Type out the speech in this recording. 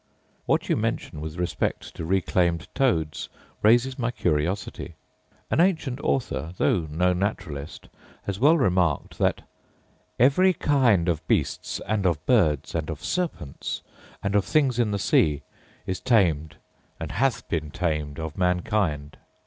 What you mention with respect to reclaimed toads raises my curiosity. An ancient author, though no naturalist, has well remarked that 'Every kind of beasts, and of birds, and of serpents, and of things in the sea, is tamed, and hath been tamed, of mankind.